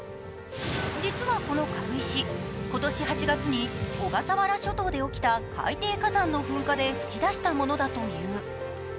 実はこの軽石、今年８月に小笠原諸島で起きた海底火山の噴火で噴き出したものだという。